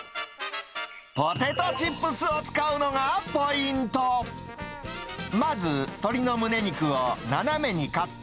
ポテトチップスを使うのがポイント。